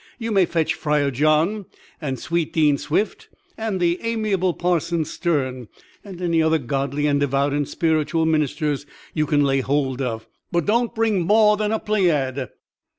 You may fetch Friar John and sweet Dean Swift and the amiable parson Sterne, and any other godly and devout and spiritual ministers you can lay hold of; but don't bring more than a pleiad."